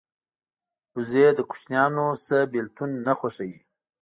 وزې له کوچنیانو نه بېلتون نه خوښوي